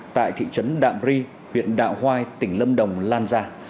tại thị trấn đạm tri huyện đạ hoai tỉnh lâm đồng lan ra